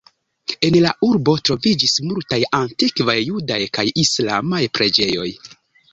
En la urbo troviĝis multaj antikvaj judaj kaj islamaj preĝejoj.